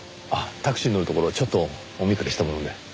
あっタクシーに乗るところちょっとお見かけしたもので。